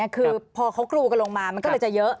คือพอเขากรูกันลงมามันก็เลยจะเยอะ